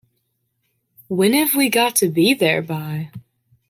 When've we got to be there by?